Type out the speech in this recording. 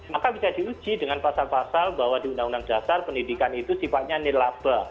maka bisa diuji dengan pasal pasal bahwa di undang undang dasar pendidikan itu sifatnya nilaba